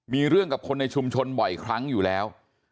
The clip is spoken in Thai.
มีเรื่องกับคนในชุมชนบ่อยครั้งอยู่แล้ว